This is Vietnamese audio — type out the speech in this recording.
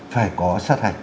phải có sát